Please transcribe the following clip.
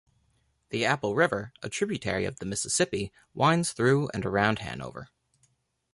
The Apple River, a tributary of the Mississippi, winds through and around Hanover.